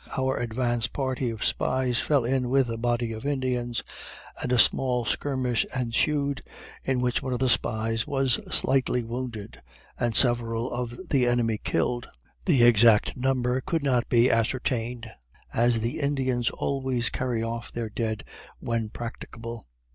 Our advance party of spies fell in with a body of Indians, and a small skirmish ensued, in which one of the spies was slightly wounded, and several of the enemy killed; the exact number could not be ascertained, as the Indians always carry off their dead when practicable.